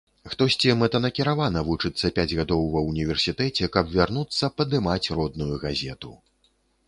Хтосьці мэтанакіравана вучыцца пяць гадоў ва ўніверсітэце, каб вярнуцца падымаць родную газету.